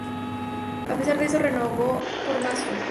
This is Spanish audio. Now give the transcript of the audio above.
A pesar de eso, renovó por un año más.